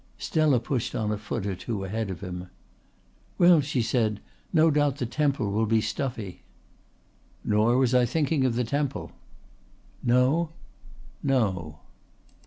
Stella pushed on a foot or two ahead of him. "Well," she said, "no doubt the Temple will be stuffy." "Nor was I thinking of the Temple." "No?" "No."